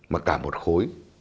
mà cả một khối